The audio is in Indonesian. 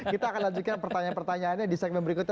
kita akan lanjutkan pertanyaan pertanyaannya di segmen berikutnya